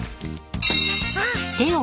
あっ！